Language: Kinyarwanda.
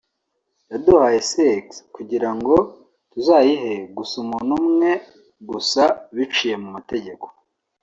yaduhaye sex kugirango tuzayihe gusa umuntu umwe gusa biciye mu mategeko